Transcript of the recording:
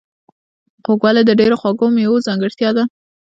خوږوالی د ډیرو خواږو میوو ځانګړتیا ده.